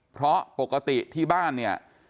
เพราะปกติที่บ้านเนี่ย